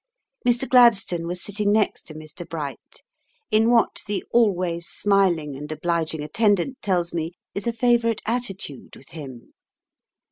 Mr Gladstone was sitting next to Mr. Bright, in what the always smiling and obliging attendant tells me is a favourite attitude with him.